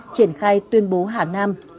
triển khai tuyên bố hà nam